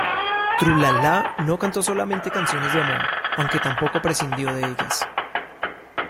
Tru-la-lá no cantó solamente canciones de amor, aunque tampoco prescindió de ellas.